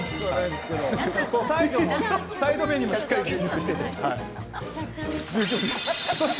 サイドメニューもしっかり充実していて。